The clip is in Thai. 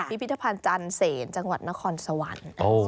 พิพิธภัณฑ์จันเสนจังหวัดนครสวรรค์